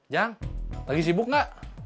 jang lagi sibuk gak